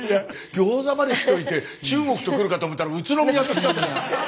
「ギョーザ」まできといて「中国」とくるかと思ったら「宇都宮」ときちゃったから。